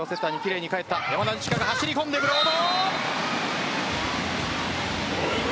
山田二千華が走り込んでブロード。